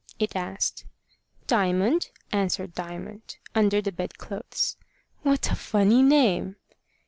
it asked. "Diamond," answered Diamond, under the bed clothes. "What a funny name!"